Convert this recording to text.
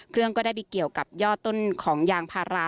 เครื่องก็ได้มีเกี่ยวกับย่อต้นของยางพารา